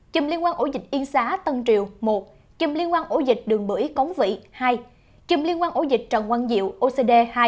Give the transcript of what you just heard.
chùm liên quan ổ dịch yên xá tân triều một chung liên quan ổ dịch đường bưởi cống vị hai chùm liên quan ổ dịch trần quang diệu ocd hai